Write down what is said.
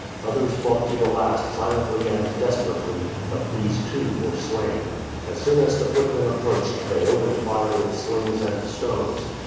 Others fought to the last silently and desperately; but these, too, were slain. As soon as the footmen approached they opened fire with slings and stones.